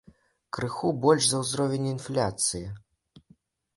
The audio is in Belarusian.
Крыху больш за ўзровень інфляцыі.